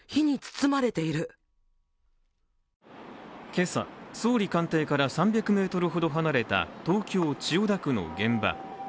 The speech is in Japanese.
今朝、総理官邸から３００ｍほど離れた東京・千代田区の現場。